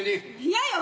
嫌よ！